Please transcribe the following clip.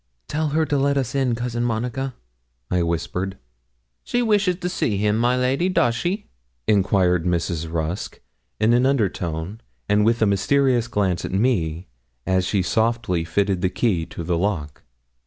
'Tell her to let us in, Cousin Monica,' I whispered. 'She wishes to see him, my lady does she?' enquired Mrs. Rusk, in an under tone, and with a mysterious glance at me, as she softly fitted the key to the lock.